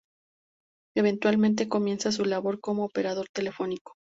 Eventualmente, comienza su labor como operador telefónico.